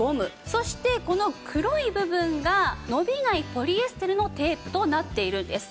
そしてこの黒い部分が伸びないポリエステルのテープとなっているんです。